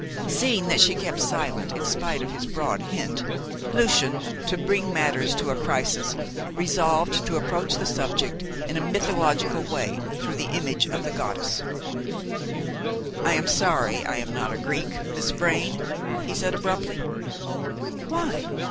Seeing that she kept silent in spite of his broad hint, Lucian to bring matters to a crisis resolved to approach the subject in a mythological way through the image of the goddess. "I am sorry I am not a Greek, Miss Vrain," he said abruptly. "Why?"